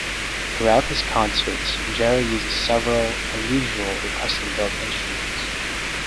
Throughout his concerts, Jarre uses several unusual or custom-built instruments.